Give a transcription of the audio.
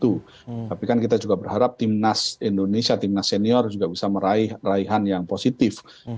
tapi kan kita juga berharap tim nas indonesia tim nas senior juga bisa meraih raihan yang positif